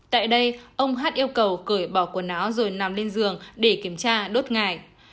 tại đây ông h yêu cầu cởi bỏ quần áo rồi nằm lên giường để kiểm tra đốt ngại